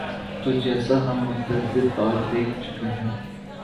تو جیسا ہم متعدد بار دیکھ چکے ہیں۔